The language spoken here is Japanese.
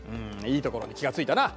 いいところに気が付いたな。